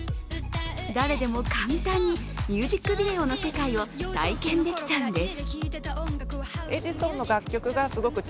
誰でも簡単に、ミュージックビデオの世界を体験できちゃうんです。